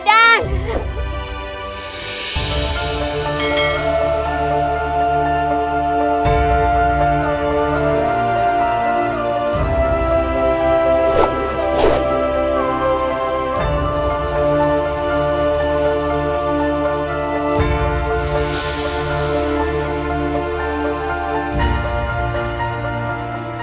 sudah tapi tahu saja